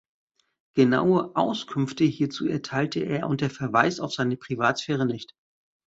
Genaue Auskünfte hierzu erteilte er unter Verweis auf seine Privatsphäre nicht.